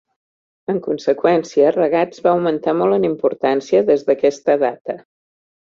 En conseqüència, Ragatz va augmentar molt en importància des d'aquesta data.